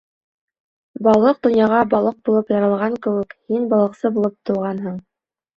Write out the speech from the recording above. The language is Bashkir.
Балыҡ донъяға балыҡ булып яралған кеүек, һин балыҡсы булып тыуғанһың.